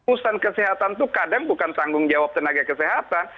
ustadz kesehatan itu kadang bukan tanggung jawab tenaga kesehatan